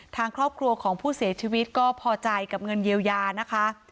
ทางครอบครัวของผู้เสียชีวิตก็พอใจกับเงินเยียวยานะคะ